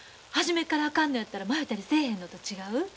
初めからあかんのやったら迷たりせえへんのと違う？